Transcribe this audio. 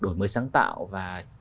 đổi mới sáng tạo và